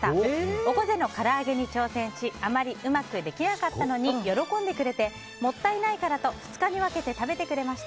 オコゼの唐揚げに挑戦しあまりうまくできなかったのに喜んでくれてもったいないからと２日に分けて食べてくれました。